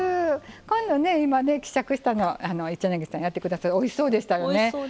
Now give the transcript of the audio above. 今、希釈したの一柳さんやってくださったのおいしそうでしたよね。